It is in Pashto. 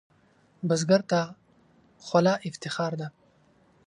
بزګر ته خوله افتخار ده